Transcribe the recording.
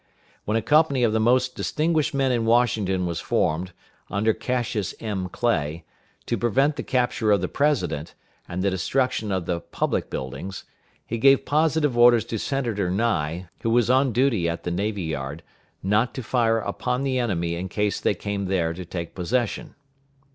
When a company of the most distinguished men in Washington was formed, under Cassius M. Clay, to prevent the capture of the President, and the destruction of the public buildings, he gave positive orders to Senator Nye, who was on duty at the Navy yard, not to fire upon the enemy in case they came there to take possession.